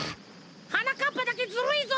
はなかっぱだけずるいぞ！